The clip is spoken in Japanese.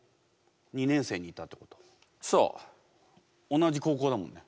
同じ高校だもんね。